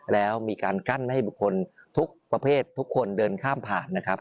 แล้วมีการกั้นให้บุคคลทุกประเภททุกคนเดินข้ามผ่านนะครับ